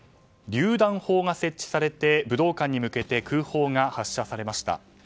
りゅう弾砲が設置されて武道館に向けて空砲が発射されました。